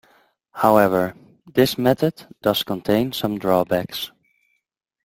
However, this method does contain some drawbacks.